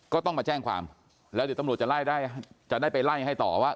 ก็ต้องมาแจ้งความแล้วเดี๋ยวตำรวจจะได้จะได้ไปไล่ให้ต่อว่า